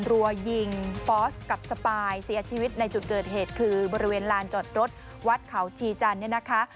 รัวยิงฟอสกับสปายเสียชีวิตในจุดเกิดเหตุคือบริเวณลานจอดรถวัดเขาชีจันทร์เนี่ยนะคะ